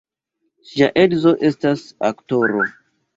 Ŝia edzo estas aktoro.